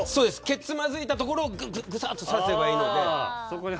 けつまずいたところをぐさっと刺せばいいんで。